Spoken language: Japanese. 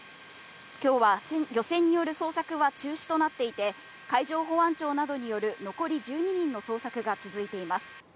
今日は漁船による捜索は中止となっていて、海上保安庁などによる残り１２人の捜索が続いています。